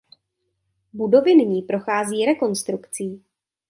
Budovy nyní prochází rekonstrukcí.